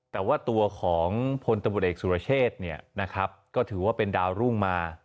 แต่ว่าตัวของพนตะบุดเอกสุรเชษเนี่ยนะครับก็ถือว่าเป็นดาวรุ่งมา